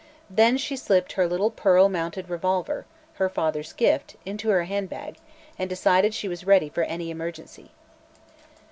Then she slipped her little pearl mounted revolver her father's gift into her handbag and decided she was ready for any emergency.